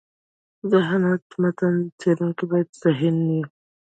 ذهانت: متن څړونکی باید ذهین يي.